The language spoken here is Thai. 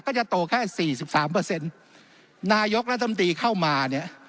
ก็จะโตแค่๔๓นายกรัฐมนูลเข้ามาเนี่ย